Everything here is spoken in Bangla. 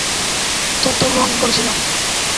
তথ্য গ্রহণ করছিলাম।